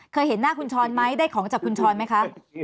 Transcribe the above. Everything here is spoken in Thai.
เคยเห็นหน้าคุณช้อนไหมได้ของจากคุณช้อนไหมคะ